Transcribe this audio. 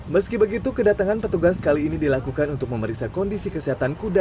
meski begitu kedatangan petugas kali ini dilakukan untuk memeriksa kondisi kesehatan kuda